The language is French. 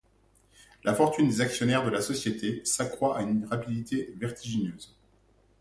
La fortune des actionnaires de la société s'accroît à une rapidité vertigineuse.